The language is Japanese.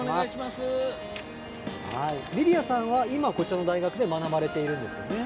リリアさんは今、こちらの大学で学ばれているんですよね。